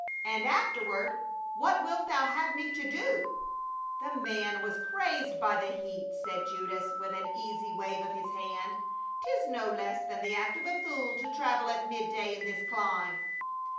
And afterward, 'What wilt thou have me to do ?'" "The man was crazed by the heat," said Judas, with an easy wave of the hand. " 'Tis no less than the act of a fool to travel at midday in this clime."